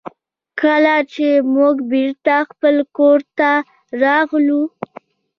کله چې موږ بېرته خپل کور ته راغلو.